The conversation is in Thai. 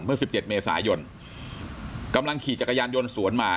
เมื่อสิบเจ็ดเมษายนกำลังขี่จักรยานยนต์สวนมา